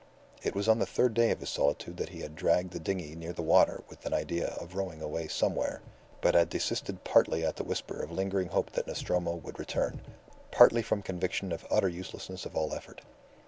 It was on the third day of his solitude that he had dragged the dinghy near the water with an idea of rowing away somewhere, but had desisted partly at the whisper of lingering hope that Nostromo would return, partly from conviction of utter uselessness of all effort.